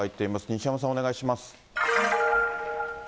西山さん、お願いします。